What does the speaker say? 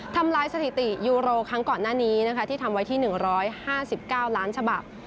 ทำลายสถิติยูโรครั้งก่อนหน้านี้นะคะที่ทำไว้ที่๑๕๙ล้านฉบับ